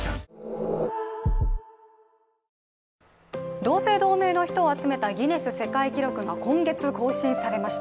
同姓同名の人を集めたギネス世界記録が今月、更新されました。